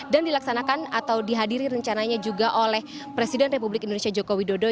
dan dilaksanakan atau dihadiri rencananya juga oleh presiden republik indonesia joko widodo